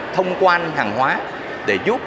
thông quan hàng hóa để giúp